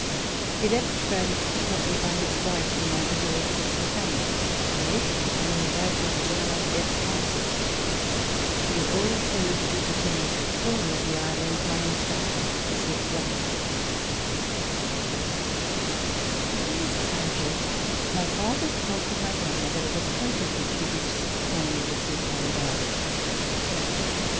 He left France accompanied VISITS TO LANGUEDOC by his wife and my little sister Fanny, who later became the wife of General Bertrand. lie also took with him as recorder of the island, my instructor, Monsieur Combes. Before his departure, my father talked with my grandmother of a project which he wished strongly to see carried out.